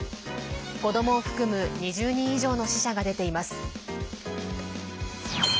子どもを含む２０人以上の死者が出ています。